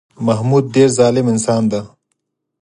محمود ډېر ظالم انسان دی